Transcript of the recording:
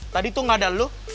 tadi tuh gak ada lu